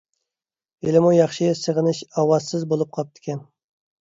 ھېلىمۇ ياخشى سېغىنىش ئاۋازسىز بولۇپ قاپتىكەن.